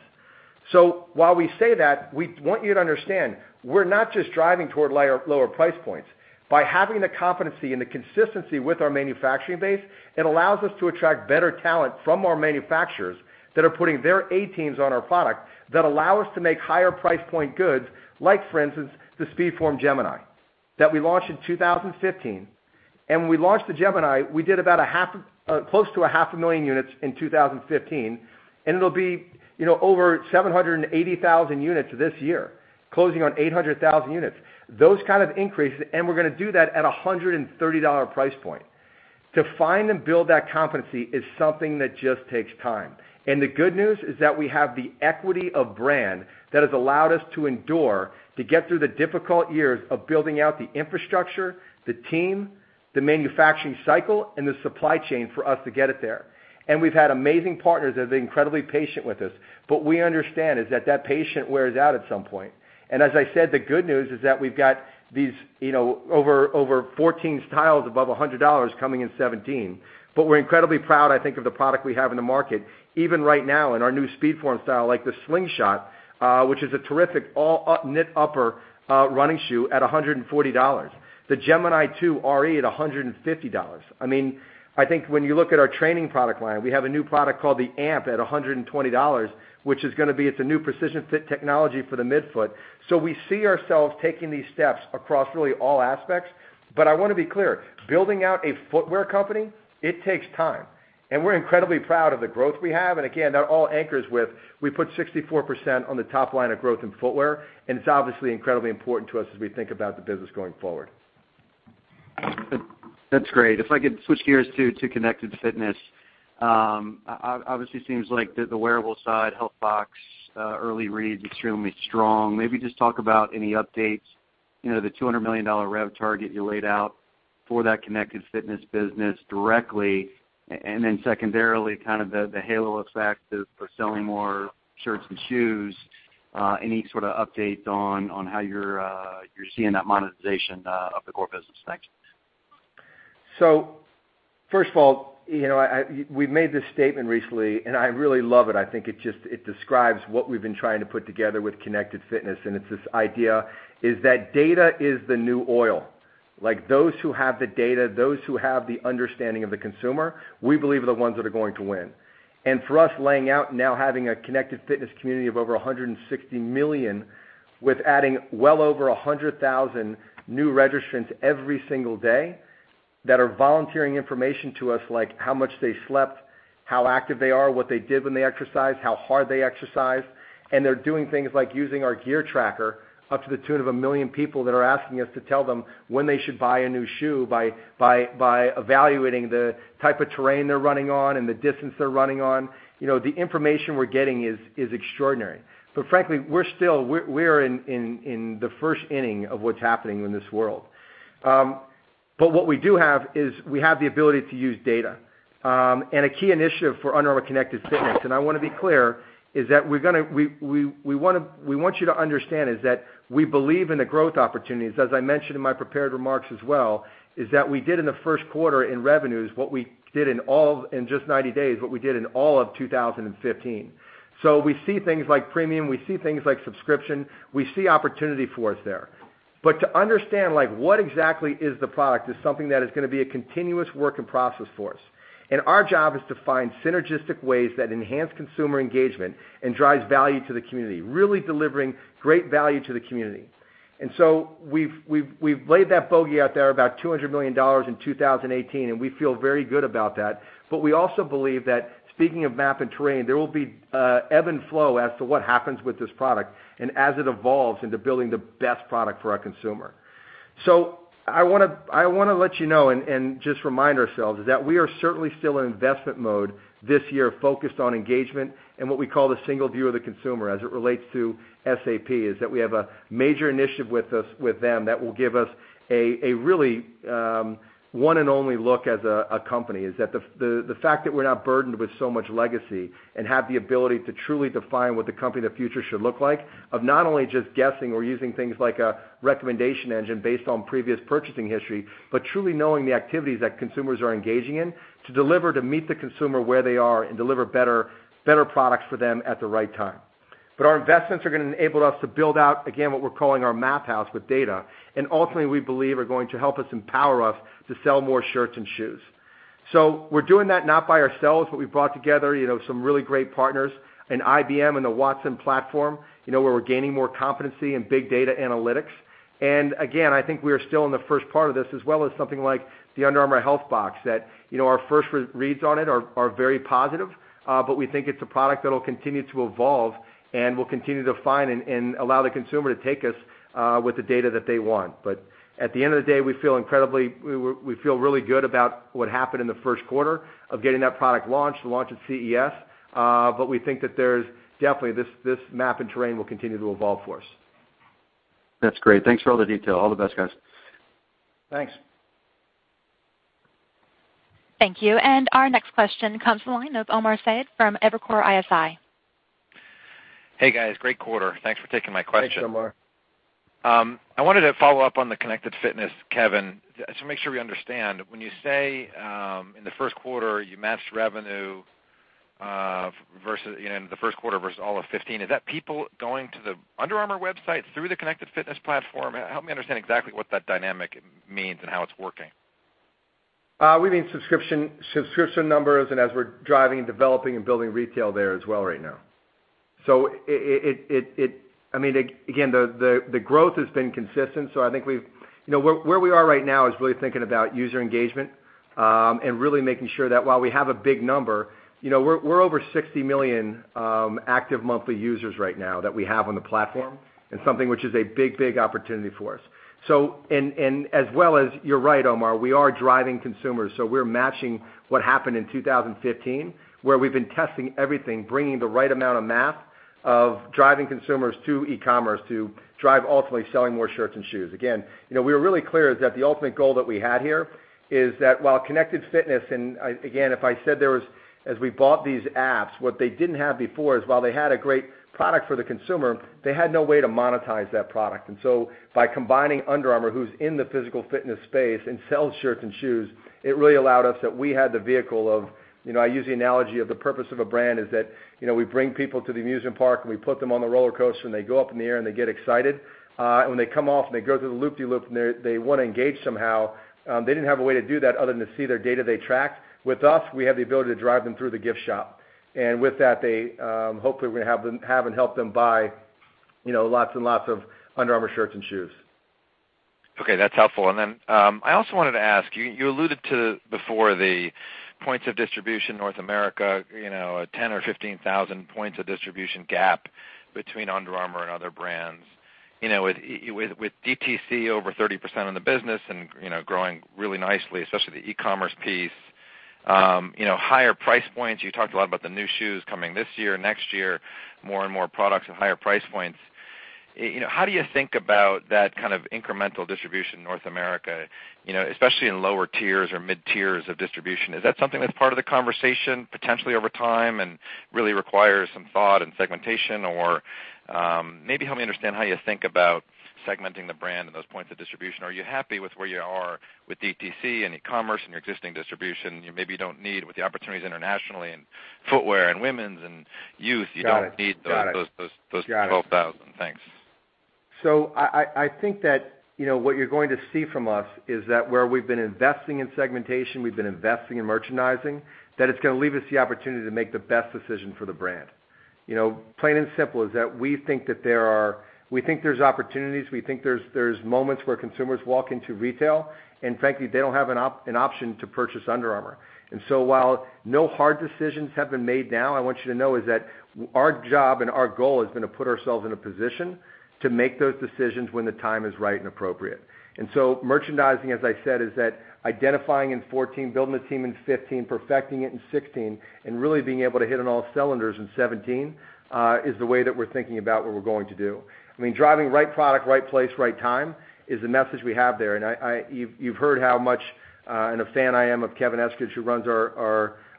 While we say that, we want you to understand, we're not just driving toward lower price points. By having the competency and the consistency with our manufacturing base, it allows us to attract better talent from our manufacturers that are putting their A teams on our product that allow us to make higher price point goods, like for instance, the Speedform Gemini that we launched in 2015. When we launched the Gemini, we did close to a half a million units in 2015, and it'll be over 780,000 units this year, closing on 800,000 units. Those kind of increases, we're going to do that at $130 price point. To find and build that competency is something that just takes time. The good news is that we have the equity of brand that has allowed us to endure to get through the difficult years of building out the infrastructure, the team, the manufacturing cycle, and the supply chain for us to get it there. We've had amazing partners that have been incredibly patient with us. We understand is that that patient wears out at some point. As I said, the good news is that we've got these over 14 styles above $100 coming in 2017. We're incredibly proud, I think, of the product we have in the market, even right now in our new SpeedForm style, like the Slingshot, which is a terrific all knit upper running shoe at $140. The Gemini 2 RE at $150. I think when you look at our training product line, we have a new product called the Amp at $120, which is going to be, it's a new precision fit technology for the midfoot. We see ourselves taking these steps across really all aspects. I want to be clear, building out a footwear company, it takes time. We're incredibly proud of the growth we have. Again, that all anchors with we put 64% on the top line of growth in footwear, and it's obviously incredibly important to us as we think about the business going forward. That's great. If I could switch gears to Connected Fitness. Obviously seems like the wearable side, HealthBox, early reads extremely strong. Maybe just talk about any updates, the $200 million rev target you laid out for that Connected Fitness business directly, and then secondarily, kind of the halo effect of for selling more shirts and shoes. Any sort of update on how you're seeing that monetization of the core business? Thanks. First of all, we've made this statement recently, and I really love it. I think it describes what we've been trying to put together with Connected Fitness, and it's this idea is that data is the new oil. Like those who have the data, those who have the understanding of the consumer, we believe are the ones that are going to win. For us, laying out now having a Connected Fitness community of over 160 million, with adding well over 100,000 new registrants every single day, that are volunteering information to us, like how much they slept, how active they are, what they did when they exercise, how hard they exercise. They're doing things like using our gear tracker up to the tune of a million people that are asking us to tell them when they should buy a new shoe by evaluating the type of terrain they're running on and the distance they're running on. The information we're getting is extraordinary. Frankly, we're in the first inning of what's happening in this world. What we do have is we have the ability to use data. A key initiative for Under Armour Connected Fitness, and I want to be clear, is that we want you to understand is that we believe in the growth opportunities, as I mentioned in my prepared remarks as well, is that we did in the first quarter in revenues, what we did in just 90 days, what we did in all of 2015. We see things like premium, we see things like subscription, we see opportunity for us there. To understand like what exactly is the product is something that is going to be a continuous work in process for us. Our job is to find synergistic ways that enhance consumer engagement and drives value to the community, really delivering great value to the community. We've laid that bogey out there about $200 million in 2018, and we feel very good about that. We also believe that speaking of map and terrain, there will be ebb and flow as to what happens with this product and as it evolves into building the best product for our consumer. I want to let you know and just remind ourselves that we are certainly still in investment mode this year focused on engagement and what we call the single view of the consumer as it relates to SAP, is that we have a major initiative with them that will give us a really one and only look as a company. Is that the fact that we're not burdened with so much legacy and have the ability to truly define what the company of the future should look like, of not only just guessing or using things like a recommendation engine based on previous purchasing history, but truly knowing the activities that consumers are engaging in to deliver, to meet the consumer where they are and deliver better products for them at the right time. Our investments are going to enable us to build out, again, what we're calling our Math House with data, and ultimately, we believe, are going to help us empower us to sell more shirts and shoes. We're doing that not by ourselves, but we've brought together some really great partners in IBM and the Watson platform, where we're gaining more competency in big data analytics. Again, I think we are still in the first part of this, as well as something like the UA HealthBox that our first reads on it are very positive. We think it's a product that'll continue to evolve and we'll continue to define and allow the consumer to take us with the data that they want. At the end of the day, we feel really good about what happened in the first quarter of getting that product launched, the launch at CES. We think that there's definitely this map and terrain will continue to evolve for us. That's great. Thanks for all the detail. All the best, guys. Thanks. Thank you. Our next question comes from the line of Omar Saad from Evercore ISI. Hey, guys, great quarter. Thanks for taking my question. Thanks, Omar. I wanted to follow up on the Connected Fitness, Kevin, to make sure we understand. When you say, in the first quarter you matched revenue in the first quarter versus all of 2015, is that people going to the Under Armour website through the Connected Fitness platform? Help me understand exactly what that dynamic means and how it's working. We mean subscription numbers and as we're driving and developing and building retail there as well right now. Again, the growth has been consistent. I think where we are right now is really thinking about user engagement, and really making sure that while we have a big number, we're over 60 million active monthly users right now that we have on the platform, and something which is a big opportunity for us. As well as, you're right, Omar, we are driving consumers, so we're matching what happened in 2015, where we've been testing everything, bringing the right amount of math, of driving consumers to e-commerce to drive ultimately selling more shirts and shoes. We were really clear is that the ultimate goal that we had here is that while Connected Fitness, if I said there was, as we bought these apps, what they didn't have before is while they had a great product for the consumer, they had no way to monetize that product. By combining Under Armour, who's in the physical fitness space and sells shirts and shoes, it really allowed us that we had the vehicle of I use the analogy of the purpose of a brand is that we bring people to the amusement park, and we put them on the roller coaster, and they go up in the air, and they get excited. When they come off and they go through the loop-de-loop and they want to engage somehow, they didn't have a way to do that other than to see their data they tracked. With us, we have the ability to drive them through the gift shop. With that, they hopefully we're going to have them have and help them buy lots and lots of Under Armour shirts and shoes. Okay. That's helpful. I also wanted to ask you alluded to before the Points of distribution North America, a 10,000 or 15,000 points of distribution gap between Under Armour and other brands. With DTC over 30% of the business and growing really nicely, especially the e-commerce piece. Higher price points. You talked a lot about the new shoes coming this year, next year, more and more products at higher price points. How do you think about that kind of incremental distribution in North America, especially in lower tiers or mid-tiers of distribution? Is that something that's part of the conversation potentially over time and really requires some thought and segmentation? Or maybe help me understand how you think about segmenting the brand and those points of distribution. Are you happy with where you are with DTC and e-commerce and your existing distribution? You maybe don't need, with the opportunities internationally in footwear and women's and youth. Got it. You don't need those. Got it. 12,000. Thanks. I think that what you're going to see from us is that where we've been investing in segmentation, we've been investing in merchandising, that it's going to leave us the opportunity to make the best decision for the brand. Plain and simple is that we think there's opportunities. We think there's moments where consumers walk into retail, and frankly, they don't have an option to purchase Under Armour. While no hard decisions have been made now, I want you to know is that our job and our goal has been to put ourselves in a position to make those decisions when the time is right and appropriate. Merchandising, as I said, is that identifying in 2014, building the team in 2015, perfecting it in 2016, and really being able to hit on all cylinders in 2017, is the way that we're thinking about what we're going to do. Driving right product, right place, right time is the message we have there. You've heard how much of a fan I am of Kevin Eskridge, who runs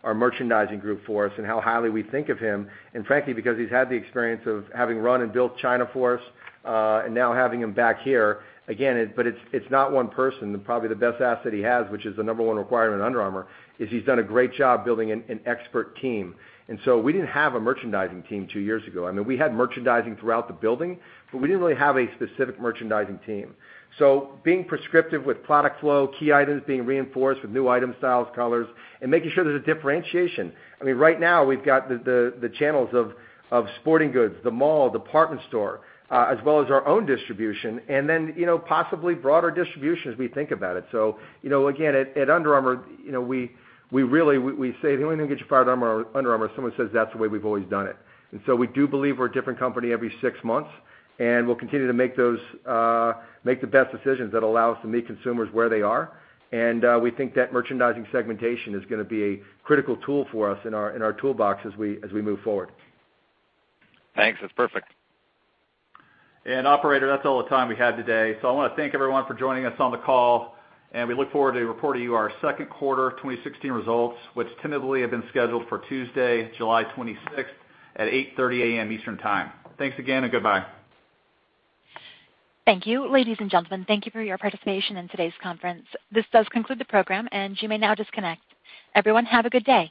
our merchandising group for us, and how highly we think of him. Frankly, because he's had the experience of having run and built China for us, and now having him back here again. It's not one person. Probably the best asset he has, which is the number 1 requirement at Under Armour, is he's done a great job building an expert team. We didn't have a merchandising team two years ago. We had merchandising throughout the building, but we didn't really have a specific merchandising team. Being prescriptive with product flow, key items being reinforced with new items, styles, colors, and making sure there's a differentiation. Right now, we've got the channels of sporting goods, the mall, department store, as well as our own distribution, and then possibly broader distribution as we think about it. Again, at Under Armour, we say the only thing that gets you fired at Under Armour is someone says, "That's the way we've always done it." We do believe we're a different company every six months, and we'll continue to make the best decisions that allow us to meet consumers where they are. We think that merchandising segmentation is going to be a critical tool for us in our toolbox as we move forward. Thanks. That's perfect. Operator, that's all the time we have today. I want to thank everyone for joining us on the call, and we look forward to reporting you our second quarter 2016 results, which tentatively have been scheduled for Tuesday, July 26th at 8:30 A.M. Eastern Time. Thanks again, and goodbye. Thank you. Ladies and gentlemen, thank you for your participation in today's conference. This does conclude the program, and you may now disconnect. Everyone, have a good day.